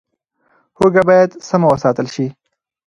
هوږه باید سم وساتل شي.